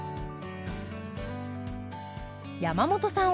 山本さん